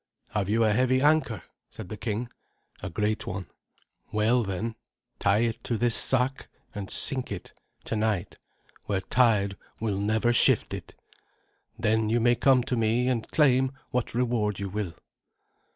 "Have you a heavy anchor?" asked the king. "A great one." "Well, then, tie it to this sack and sink it tonight where tide will never shift it. Then you may come to me and claim what reward you will."